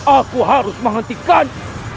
aku harus menghentikan